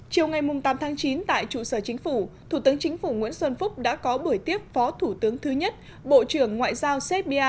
chiều ngày tám tháng chín tại trụ sở chính phủ thủ tướng chính phủ nguyễn xuân phúc đã có buổi tiếp phó thủ tướng thứ nhất bộ trưởng ngoại giao serbia